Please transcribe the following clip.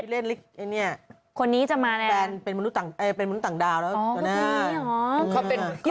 เล่นลิกเนี่ยแฟนเป็นมนุษย์ต่างดาวแล้วต่อหน้าคนนี้จะมาเนี่ย